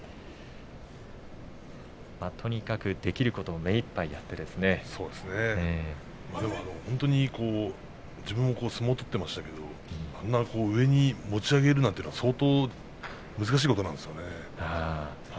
とにかくできることを自分も相撲を取っていましたけれどあんなに持ち上げるっていうのは相当、難しいことなんですよね。